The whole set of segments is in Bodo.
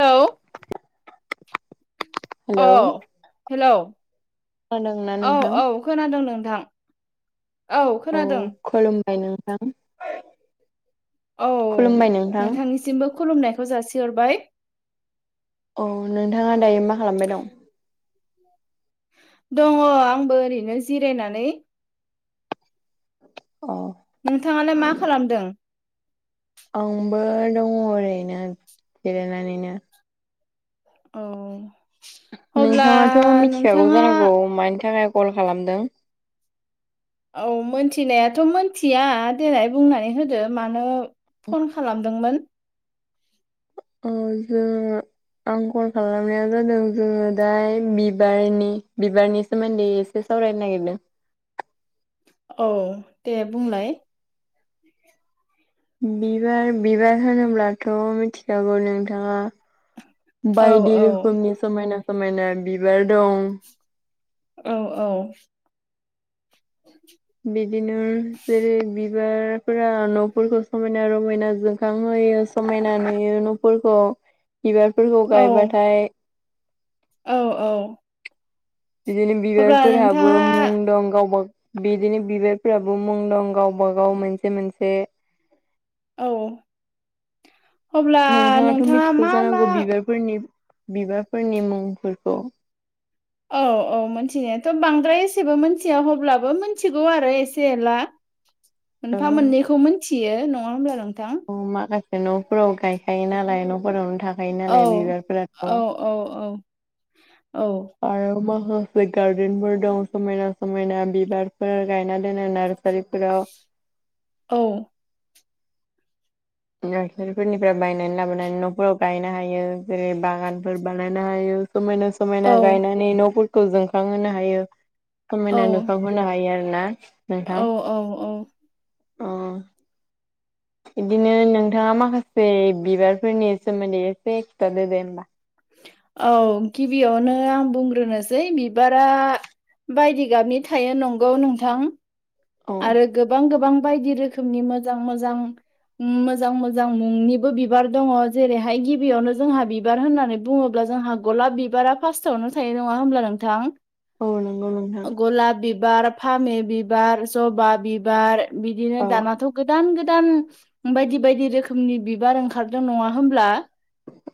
औ। औ हेलौ हेलौ खोनादोंना औ नोंथां औ खोनादों नोंथां। औ खोनादों। खुलुमबाय नोंथां। औ खुलुमबाय नोंथां नोंथांनिसिमबो खुलुमनायखौ जासिहरबाय। औ नोंथाङा दायो मा खालामबाय दं? दङ आंबो ओरैनो जिरायनानै। अ। नोंथाङालाय मा खालामदों? आंबो दङ ओरैनो जिरायनानैनो। औ। अब्ला नोंथाङाथ' मिथिखागौ नोंथाङा जानांगौ मानि थाखाय कल खालामदों। औ मोनथिनायाथ' मोनथिया देलाय बुंनानै होदो मानो फन खालामदोंमोन। औ जोङो आं कल खालामनाया जादों जोङो दा बिबारनि बिबारनि सोमोन्दै एस से सावरायनो नागिरदों। औ दे बुंलाय। बिबार बिबार होनोब्लाथ' मिथिखागौ नोंथाङा। औ बायदि औ रोखोमनि समायना समायना बिबार दं। औ औ। बिदिनो जेरै बिबारफोरा न'फोरखौ समायना रमायनाजों खांहोयो समायना नुयो न'फोरखौ बिबारफोरखौ औ गायबाथाय। औ औ‌। बिदिनो बिबारफोरहाबो नोंथाङा मुं दं गावबा बिदिनो बिबारफ्राबो मुं दं गावबा गाव मोनसे मोनसे। औ अब्ला नोंथाङा मा मा फोरनि बिबारफोरनि मुंफोरखौ [inaudible] अ अ मोनथिनायाथ' बांद्राय एसेबो मिथिया हब्लाबो मिथिगौ आरो एसे एला। मोनफा औ मोननैखौ मोनथियो नङा होमब्ला नोंथां। ओ माखासे न'फोराव गायखायो नालाय न'फोरावनो थाख थायो औ नालाय औ औ औ औ बिबारफोराथ'। आरो माखासे गारदेनफोर दं समायना समायना बिबारफोर गायना दोनो नार सारिफोराव। औ। नारसारिफोरनिफ्राय बायनानै लाबोनानै न'फोराव गायनो हायो जेरै बागानफोर बानायनो हायो समायना औ समायना गायनानै न'फोरखौ जोंखांहोनो हायो समायना नुखां होनो हायो आरो ना नोंथां। अ अ। अ। इदिनो नोंथाङा माखासे बिबारफोरनि सोमोन्दै एसे खिथादोदे होमबा। औ गिबियावनो आं बुंग्रोनोसै बिबारा बायदि गाबनि थायो नंगौ नोंथां‌। औ आरो गोबां गोबां बायदि रोखोमनि मोजां मोजां मोजां मोजां मुंनिबो बिबार दङ जेरैहाय गिबियावनो जोंहा बिबार होननानै बुङोब्ला जोंहा गलाब बिबारा फार्स्टआवनो थायो नङा होमब्ला नोंथां। औ नंगौ नोंथां गलाब बिबार, फामे बिबार, जबा बिबार। बिदिनो औ दानाथ' गोदान गोदान बायदि बायदि रोखोमनि बिबार ओंखारदों नङा होमब्ला?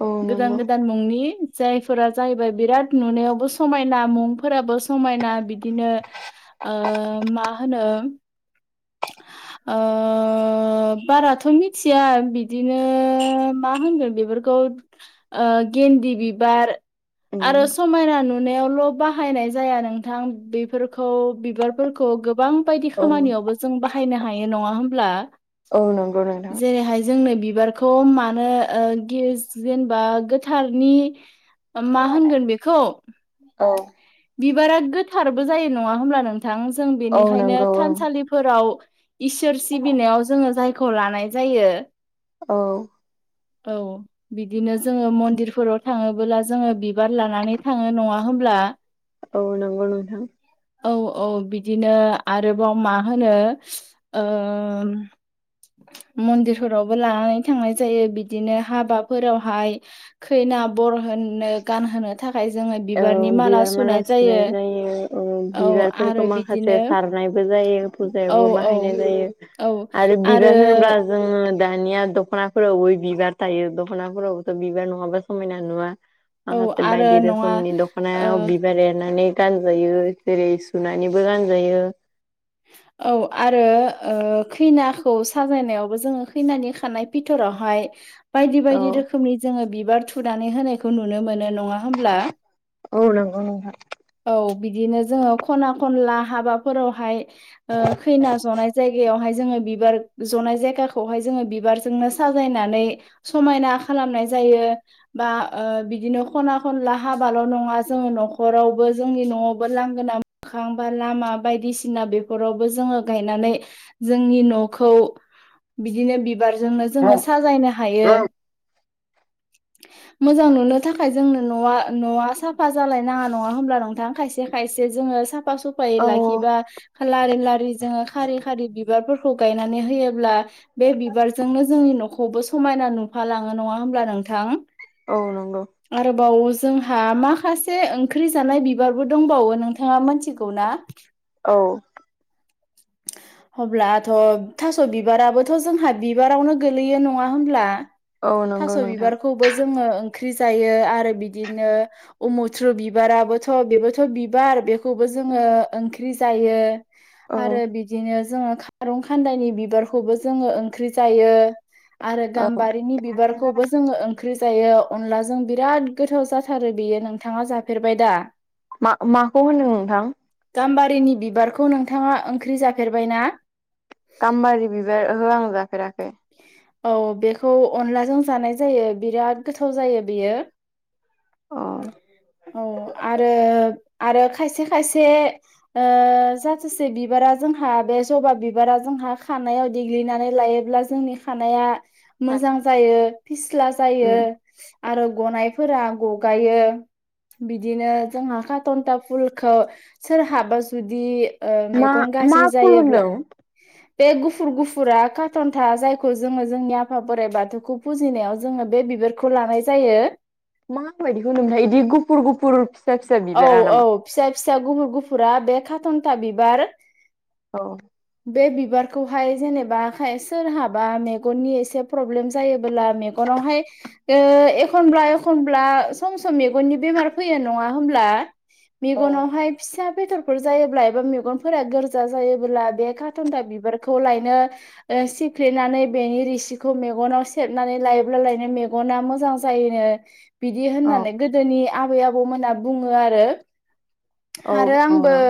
औ गोदान नंगौ गोदान मुंनि जायफोरा जाहैबाय बिराद नुनायावबो समायना मुंफोराबो समायना बिदिनो ओ मा होनो ओ ओ बाराथ' मिथिया बिदिनो मा होनगोन बेफोरखौ ओ गेन्दि बिबार। उम आरो समायना नुनायावल' बाहायनाय जाया नोंथां बेफोरखौ बिबार फोरखौ गोबां बायदि औ खामानिआवबो जों बाहायनो हायो नङा होमब्ला? औ नंगौ नोंथां जेरैहाय जोंनो बिबारखौ मानो ओ गे जेनेबा गोथारनि [inaudible] मा होनगोन बेखौ औ बिबारा गोथारबो जायो नङा होमब्ला नों थां जों औ बेनिखायनो नंगौ ओं थानसालिफोराव इसोर सिबिनायाव जोङो जाय खौ लानाय जायो। औ। औ। बिदिनो जोङो मन्दिरफोराव थाङोबोला जोङो बिबार लानानै थाङो नङा होमब्ला? औ नोंगौ नोथां। औ औ बिदिनो आरोबाव मा होनो ओ मन्दिरफोरावबो लानानै थांनाय जायो बिदिनो हाबाफोरावहाय खैना बर होननो गानहोनो थाखाय जोङो बिबारनि माला सुनाय जायो औ आरो बि माखासे सारनायबो जायो फुजायावबो औ बाहायनाय जायो औ आरो बिबार होनोब्ला जोङो दानिया दख'नाफोरावबो बिबार थायो दख'नाफोरावबोथ' बिबार नङाबा समायना नुवा। औ आं [unintelligible] आरो नङा बायदिेरखोमनि ओ दखनायाव बिबार एरनानै गानजायो जेरै सुनानैबो गानजायो। औ आरो ओ खैनाखौ साजायनायावबो जोङो खैनानि खानाय पिथर'हाय बायदि औ बायदि रोखोमनि जोङो बिबार थुनानै होनायखौ नुनो मोनो नङा होमब्ला? औ नंगौ नोंथां। औ बिदिनो जोङो खना खनला हाबाफोरावहाय ओ खैना जनाय जायगायावहाय जोङो बिबार जनाय जायगाखौहाय जोङो बिबारजोंनो साजायनानै समायना खालामनाय जायो। बा ओ बिदिनो खना खनला हाबाल' नङा जोङो न'खरावबो जोंनि न'आवबो लांगोना मोखां बा लामा बायदिसिना बे नख'रावबो जोङो गायनानै जोंनि न'खौ बिदिनो बिबारजोंनो जोङो साजायनो हायो। मोजां नुनो थाखाय जोंनो न'आ न'आ साफा जालायनाङा नङा होनब्ला नोंथां खायसे खायसे जोङो साफा सुफ फायै औ लाखिबा लारि लारि जोङो खारि खारि बिबारफोरखौ गायनानै होयोब्ला बे बिबारजोंनो जोंनि न'खौबो समायना नुफालाङो नङा होमब्ला नोंथां? औ नंगौ। आरोबाव जोंहा माखासे ओंख्रि जानाय बिबारबो दंबावो नोंथाङा मोनथिगौ ना? औ। [inaudible] होब्लाथ' थास' बिबाराबोथ' जोंहा बिबारावनो गोगलैयो नङा होमब्ला? औ नंगौ थास' नोंथां बिबारखौबो जोङो ओंख्रि जायो आरो बिदिनो अ मुथ्रु बिबाराबोथ' बेबोथ' बिबार बेखौबो जोङो ओंख्रि जायो। औ आरो बिदिनो जोङो खारुं खान्दायनि बिबारखौबो जोङो ओंख्रि जायो। आरो औ गाम्बारिनि बिबारखौबो जोङो ओंख्रि जायो अनलाजों बिराद गोथाव जाथारो बियो नोंथाङा जाफेरबाय दा? मा माखौ होनदों नोंथां? गाम्बारिनि बिबारखौ नोंथाङा ओंख्रि जाफेरबाय ना? गाम्बारि बिबार ओहो आं जाफेराखै। औ बेखौ अनलाजों जानाय जायो बिराद गोथाव जायो बेयो। अ औ आरो आरो खायसे खायसे ओ जाथेसे बिबारा जोंहा बे जबा बिबारा जोंहा खानायाव देग्लिनानै लायोब्ला जोंनि खानाया मोजां जायो फिस्ला जायो। उम आरो गनायफोरा गगायो। बिदिनो जोंहा काटन्टा फुलखो सोरहाबा जुदि मा मेगन मा गाज्रि फुल जायोब्ला होनदों बे गुफुर गुफुरा कार्टन था जायखौ जोङो जोंनि आफा बोराइ बाथौखौ फुजिनायाव जोङो बे बिबारखौ लानाय जायो। माबायदिखौनोमथाय इदि गुफुर गुफुर फिसा फिसा औ बिबारा नामा? औ फिसा फिसा गुफुर गुफुरा बे खााथन्था बिबार। औ। बे बिबारखौहाय जेनेबा खाय सोरहाबा मेगननि एसे प्रब्लेम जायोबोला मेगनावहाय ओ एखनब्ला एखनब्ला सम सम मेगननि बेमार फैयो नङा होमब्ला? औ मेगनावहाय फिसा बेदरफोर जायोब्ला एबा मेगनफोरा गोरजा जायोबोब्ला बे खााथनथा बिबारखौ लायनो ओ सिफ्लेनानै बेनि रिसिखौ मेगनाव सेबनानै लायोब्ला लायनो मेगना मोजां जायोनो। बिदि होननानै गोदोनि आबै आबौमोना बुङो आरो। औ आरो औ आंबो नों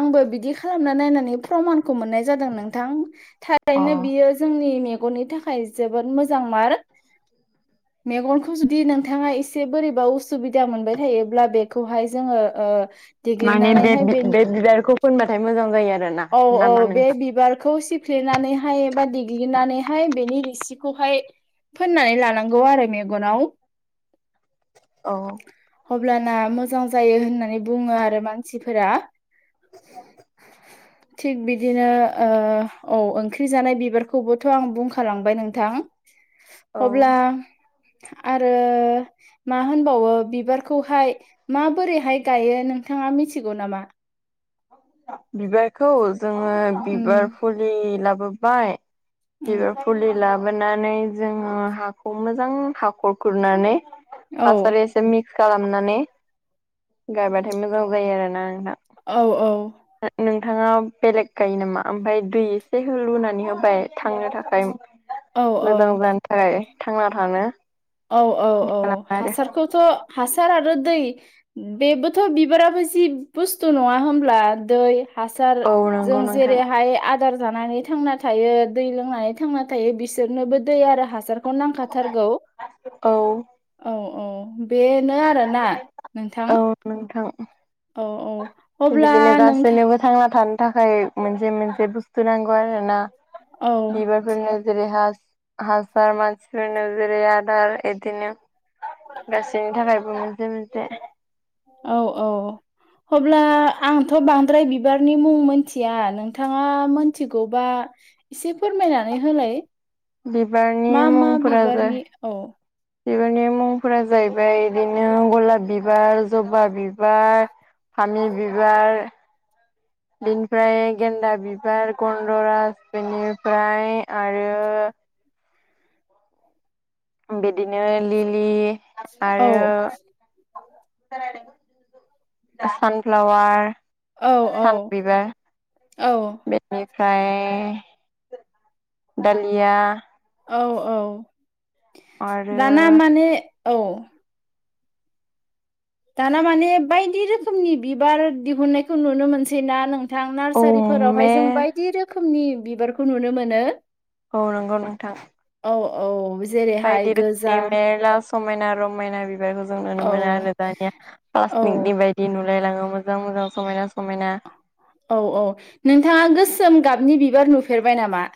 आंबो बिदि खालामना नायनानै प्रमानखौ मोननाय जादों नोंथां अ थारैनो बियो जोंनि मेगननि थाखाय जोबोद मोजां मार। [inaudible] मेगनखौ जुदि नोंथाङा एसे बोरैबा उसुबिदा मोनबाय थायोब्ला बेखौहाय जोङो ओ [inaudible] माने बे बेनि बे बिबारखौ फोनबाथाय मोजां जायो आरो। औ औ बे बिबारखौ सिप फ्लेनानैहाय एबा देग्लिनानैहाय बेनि रिसिखौहाय फोननानै लानांगौ आरो मेगनाव। अ। अब्लाना मोजां जायो होननानै बुङो आरो मानसिफोरा। [inaudible] थिग बिदिनो ओ औ ओंख्रि जानाय बिबारखौबोथ' आं बुंखालांबाय नोंथां। [inaudible] अब्ला आरो मा होनबावो बिबारखौहाय माबोरैहाय गायो नोंथाङा मिथिगौ नामा? बिबारखौ जोङो उम बिबार फुलि लाबोबाय। उम बिबार फुलि लाबोनानै जोङो हाखौ मोजां हाखर खुरनानै औ हासार एसे मिक्स खालामनानै गायबाथाय मोजां जायो आरोना नोंथां। औ औ। नोंथाङा बेलेग गायो नामा ओमफ्राय दै एसे लुनानै होबाय। थांनो थाखाय औ मोजां औ जानो थाखाय थांना थानो। औ औ औ खालामो आरो हासारखौथ' हासार आरो दै बेबोथ' बिबाराबो जि बुस्थु नङा होनमब्ला दै हासार औ जों नंगौ नोंथां जेरैहाय आद दार जानानै थांना थायो दै लोंनानै थांना थायो बिसोरनोबो दै आरो हासारखौ नांखाथारगौ। औ। औ औ बेनो आरोना औ नोंथां। नोंथां औ औ। अब्ला बिदिनो नोंथां गासैनोबो थांना थानो थाखाय मोनसे मोनसे बुस्थु नांगौ आरो ना। औ बिबा फोरनो जैरै हा हासार मानसिफोरनो जेरै आदार इदिनो। गासैनि थाखायबो मोनसे मोनसे औ औ। अब्ला आंथ' बांद्राय बिबारनि मुं मोनथिया नोंथाङा मोनथिगौबा इसे फोरमायनानै होलाय। बिबारनि मा मा मुंफोरा जा बिबारनि औ बिबारनि मुंफोरा जाहैबाय इदिनो गलाब बिबार, जबा बिबार, फामि बिबार, बेनिफ्राय गेन्दा बिबार, गन्दराज बेनिफ्राय आरो बिदिनो लिलि औ आरो सानफ्लाावार। औ औ सानबिबार औ बे बेनिफ्राय दालिया। औ औ आरो दाना माने औ। दाना माने बायदि रोखोमनि बिबार दिहुननायखौ नुनो मोनसैना नों थां औ नार्सारिफोरावहाय मे जों बायदि रोखोमनि बिबारखौ नुनो मोनो। औ नंगौ नोंथां। औ औ। जेरैहाय बायदि गोजा रोखोमनि मेला समायना रमायना बिबारखौ जों नुनो औ मोनो आरो दानिया औ प्लास्टिकनि बायद दि नुलायलाङो मोजां मोजां समायना समायना। औ औ नोंथाङा गोसोम गाबनि बिबार नुफेरबाय नामा?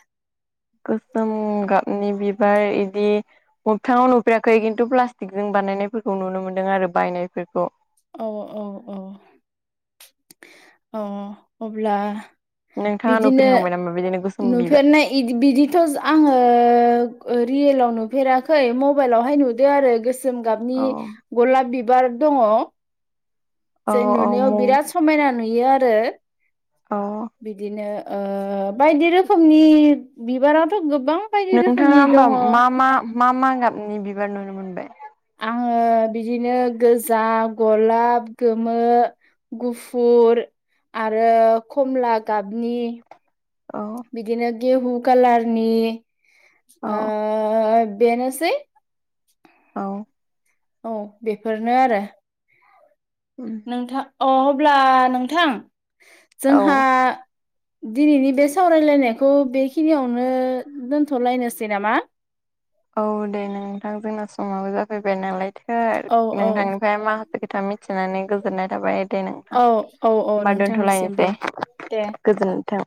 गोसोम गाबनि बिबार इदि मोगथाङाव नुफेराखै खिन्थु प्लास्टिक जों बानायनायफोरखौ नुनो मोन्दों आरो बायनायफोरखौ। औ औ औ औ अब्ला नोंथाङा बिदिनो नुफेरखांबाय नामा बिदिनो गोसोम बिबार नुफेरनाय इदि बिदिथ' आङो रियेलाव नुफेराखै मबाइलावहाय नुदो आरो गोसो गोसोम गाबनि औ गलाब बिबार दङ। औ जे औ नुनायाव मु बिराद समायना नुयो आरो। अ। बिदिनो ओ बायदि रोखोमनि बिबाराथ' गोबां बायदि नोंथाङा रोखोमनि दङ होमबा मा मा मा मा गाबनि बिबार नुनो मोनबाय? आङो बिदिनो गोजा, गलाब, गोमो, गुफुर आरो खमला गाबनि औ बिदिनो गेहु कालारनि औ ओ ओ बेनोसै। औ। औ बेफोरनो आरो। उम। नोंथां अ अब्ला नोंथां औ जोंहा दिनैनि बे सावरायलायनायखौ बेखिनियावनो दोनथ'लायनोसै नामा? औ दे नोंथां जोंना समाबो जाफैबाय नालायथो औ औ नोंथांनिफाय मा खोथा मिथिनानै गोजोननाय थाबाय। दे नोंथां औ औ औ होमबा नोंथांनिसिमबो दोनथ'लायनोसै दे। गोजोनथों।